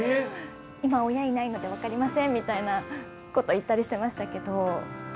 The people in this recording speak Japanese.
今、親いないので分かりませんみたいなこと、言ったりしてましたけど。